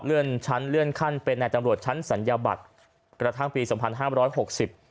เลื่อนชั้นเลื่อนขั้นเป็นนายตำรวจชั้นศัลยบัตรกระทั่งปีสองพันห้ามร้อยหกสิบ